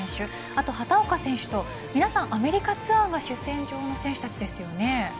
あと畑岡選手と皆さんアメリカツアーが主戦場の選手たちですよね。